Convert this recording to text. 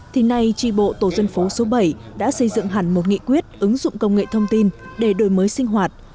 thì nay tri bộ tổ dân phố số bảy đã xây dựng hẳn một nghị quyết ứng dụng công nghệ thông tin để đổi mới sinh hoạt